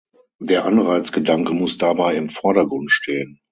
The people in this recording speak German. Der Anreizgedanke muss dabei im Vordergrund stehen.